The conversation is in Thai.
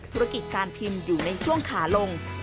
ธุรกิจการพิมพ์อยู่ในช่วงขาลง